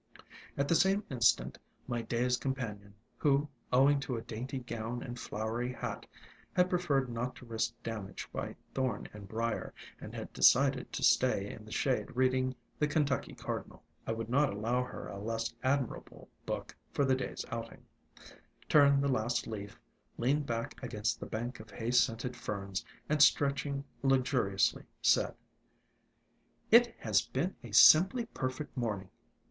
At the same instant my day's companion, who, owing to a dainty gown and flowery hat, had preferred not to risk damage by thorn and briar, and had decided to stay in the shade reading "The Kentucky Cardinal" (I would not allow her a less admirable book for the day's outing) , turned the last leaf, leaned back against the bank of Hay Scented Ferns, and stretching lux uriously, said: "It has been a simply perfect morning.